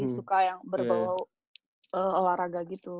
suka yang berbau olahraga gitu